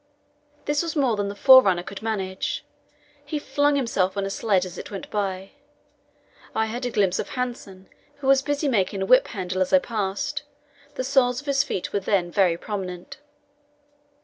This was more than the forerunner could manage; he flung himself on a sledge as it went by. I had a glimpse of Hanssen, who was busy making a whip handle, as I passed; the soles of his feet were then very prominent.